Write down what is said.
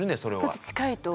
ちょっと近いと思う。